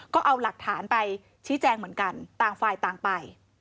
ก็เอาหลักฐานไปชี้แจงเหมือนกันต่างฝ่ายต่างไป